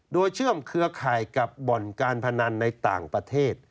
โดยเชื่อมเครือข่ายกับบ่อนการพนันในต่างประเทศ